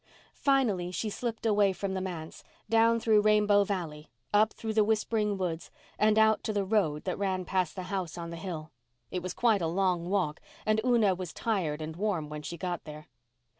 Finally, she slipped away from the manse, down through Rainbow Valley, up through the whispering woods, and out to the road that ran past the house on the hill. It was quite a long walk and Una was tired and warm when she got there.